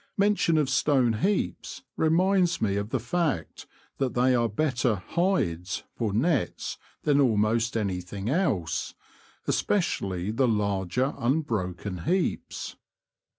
Mention of stone heaps reminds me of the fact that they are better '^ hides " for nets than almost any thing else, especially the larger unbroken heaps.